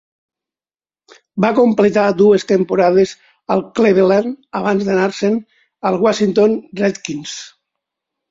Va completar dues temporades al Cleveland abans d"anar-se"n als Washington Redskins.